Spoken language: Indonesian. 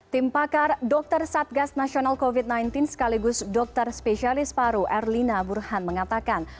tim pakar dokter satgas nasional covid sembilan belas sekaligus dokter spesialis paru erlina burhan mengatakan